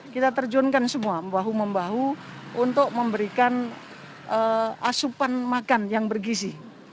kita terjunkan semua bahu membahu untuk memberikan asupan makan yang bergizi